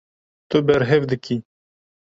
Tu berhev dikî.